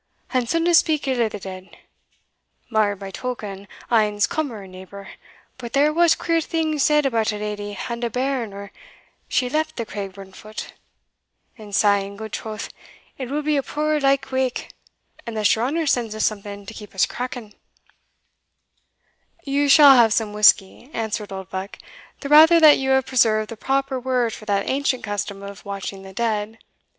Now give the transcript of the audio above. Ane suldna speak ill o' the dead mair by token, o' ane's cummer and neighbour but there was queer things said about a leddy and a bairn or she left the Craigburnfoot. And sae, in gude troth, it will be a puir lykewake, unless your honour sends us something to keep us cracking." "You shall have some whisky," answered Oldbuck, "the rather that you have preserved the proper word for that ancient custom of watching the dead.